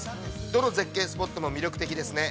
どの絶景スポットも魅力的ですね。